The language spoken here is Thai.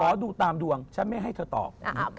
ดูตามดวงฉันไม่ให้เธอตอบ